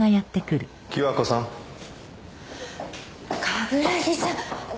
冠城さん。